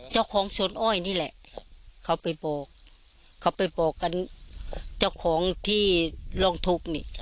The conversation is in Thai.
เจ้าของสวนอ้อยนี่แหละเขาไปบอกเขาไปบอกกันเจ้าของที่ร้องทุกข์นี่